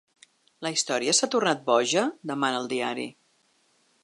La història s’ha tornat boja?, demana el diari.